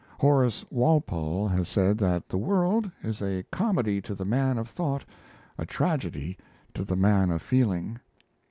Horace Walpole has said that the world is a comedy to the man of thought, a tragedy to the man of feeling.